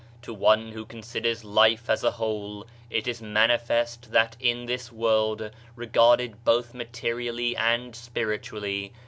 To one who considers life as a whole, it is manifest ^at in this world, regarded both materially and spiritually.